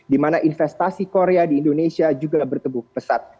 di mana investasi korea di indonesia juga bertepuk pesat